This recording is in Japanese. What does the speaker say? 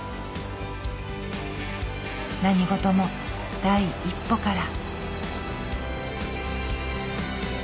何事も第一歩から。